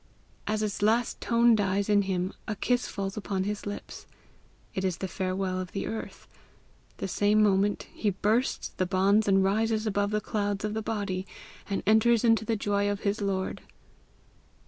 As its last tone dies in him, a kiss falls upon his lips. It is the farewell of the earth; the same moment he bursts the bonds and rises above the clouds of the body, and enters into the joy of his Lord."